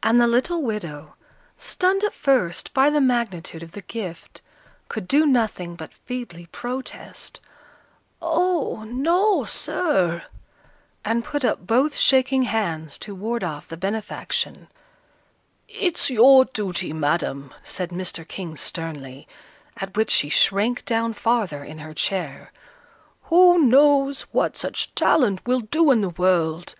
And the little widow, stunned at first by the magnitude of the gift, could do nothing but feebly protest, "Oh, no, sir!" and put up both shaking hands to ward off the benefaction. "It's your duty, Madam," said Mr. King, sternly, at which she shrank down farther in her chair. "Who knows what such talent will do in the world?